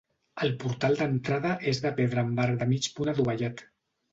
El portal d'entrada és de pedra amb arc de mig punt adovellat.